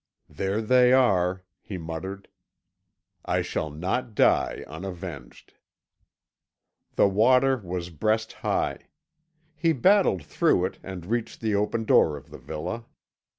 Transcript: "There they are," he muttered; "I shall not die unavenged." The water was breast high. He battled through it, and reached the open door of the villa.